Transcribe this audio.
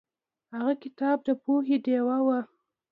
هغه کتاب د پوهې ډیوه وه.